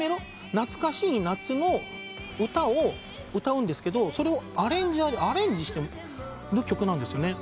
懐かしい夏の歌を歌うんですけどそれをアレンジしてる曲なんですよね。